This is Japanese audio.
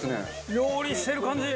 料理してる感じ！